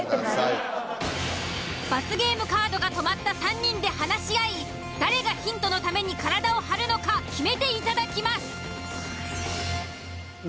罰ゲームカードが止まった３人で話し合い誰がヒントのために体を張るのか決めていただきます。